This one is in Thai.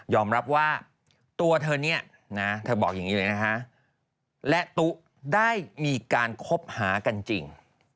รับว่าตัวเธอเนี่ยนะเธอบอกอย่างนี้เลยนะฮะและตุ๊ได้มีการคบหากันจริง